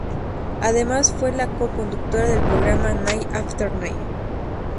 Además fue la co-conductora del programa "Night After Night".